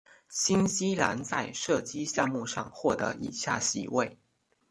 新西兰在射击项目上获得以下席位。